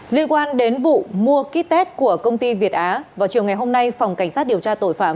liên quan đến vụ mua ký test của công ty việt á vào chiều ngày hôm nay phòng cảnh sát điều tra tội phạm